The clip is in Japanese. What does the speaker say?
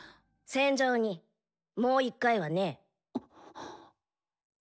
戦場にもう一回は無ぇ。